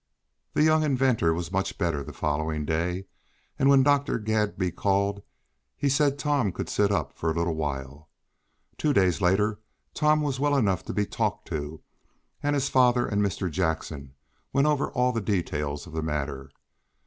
The young inventor was much better the following day, and when Dr. Gladby called he said Tom could sit up for a little while. Two days later Tom was well enough to be talked to, and his father and Mr. Jackson went over all the details of the matter. Mr.